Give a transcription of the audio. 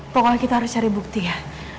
pokoknya kita harus cari bukti ya